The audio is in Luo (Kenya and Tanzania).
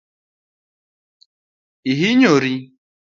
Ihinyori?